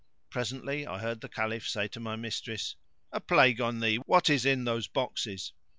Presently I heard the Caliph say to my mistress, "A plague on thee, what is in those boxes?"